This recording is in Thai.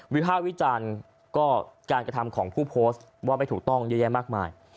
ภาควิจารณ์ก็การกระทำของผู้โพสต์ว่าไม่ถูกต้องเยอะแยะมากมาย